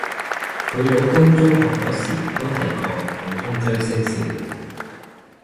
佢老公中學嗰時都係個普通追星少年